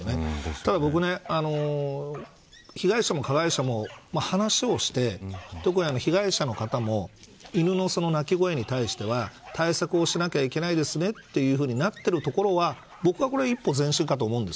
ただ僕、被害者も加害者も話をして特に被害者の方も犬の鳴き声に対しては対策をしなきゃいけないですねとなっているところは僕は一歩前進だと思うんです。